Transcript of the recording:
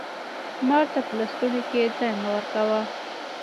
مار ته په لستوڼي کښي ځای مه ورکوه